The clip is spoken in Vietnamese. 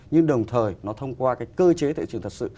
nhưng đồng thời nó thông qua cái cơ chế tại trường thật sự